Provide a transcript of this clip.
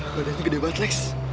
badan ini gede banget lex